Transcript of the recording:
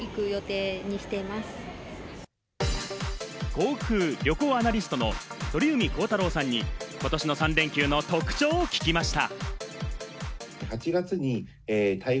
航空・旅行アナリストの鳥海高太朗さんに、ことしの３連休の特徴を聞きました。